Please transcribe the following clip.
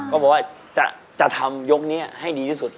ก็บอกว่าจะทำยกนี้ให้ดีที่สุด